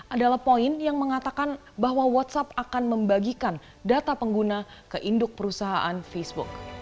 adalah poin yang mengatakan bahwa whatsapp akan membagikan data pengguna ke induk perusahaan facebook